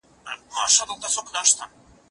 ته ولي مړۍ خورې،